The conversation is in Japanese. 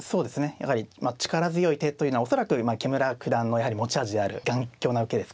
やはりまあ力強い手というのは恐らく木村九段のやはり持ち味である頑強な受けですか。